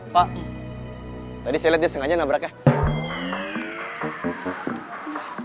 pak tadi saya liat dia sengaja nabraknya